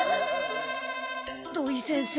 土井先生。